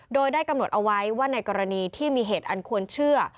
โดยได้กำหนดเอาไว้ว่าในกรณีที่มีเหตุอันควรเชื่อ